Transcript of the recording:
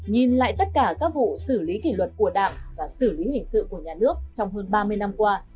nhìn lại tất cả các vụ xử lý kỷ luật của đảng và xử lý hình sự của nhà nước trong hơn ba mươi năm qua